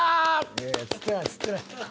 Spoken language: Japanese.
いやいや釣ってない釣ってない。